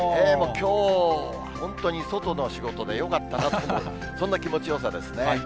きょうは本当に外の仕事でよかったなというような、そんな気持ちよさですね。